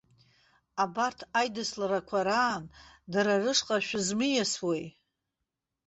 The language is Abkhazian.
Абарҭ аидысларқәа раан дара рышҟа шәызмиасуеи?